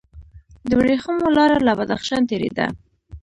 د ورېښمو لاره له بدخشان تیریده